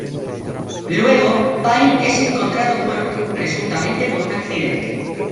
Luego, Pyle es encontrado muerto, presuntamente por un accidente.